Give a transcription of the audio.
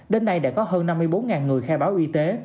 đến nay đã có hơn năm mươi bốn người khai báo y tế